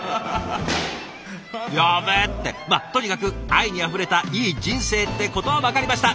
やべえってまあとにかく愛にあふれたいい人生ってことは分かりました。